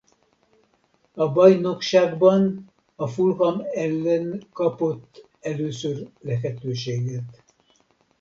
A bajnokságban a Fulham ellen kapott először lehetőséget.